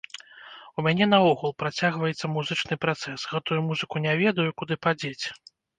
У мяне наогул працягваецца музычны працэс, гэтую музыку не ведаю, куды падзець.